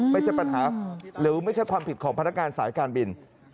ไม่ใช่ปัญหาหรือไม่ใช่ความผิดของพนักงานสายการบิน